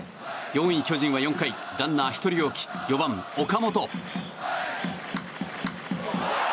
４位巨人は４回ランナーを１人置き４番、岡本。